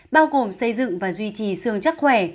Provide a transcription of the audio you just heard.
bao gồm xây dựng và duy trì xương chắc khỏe